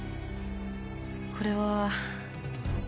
これは。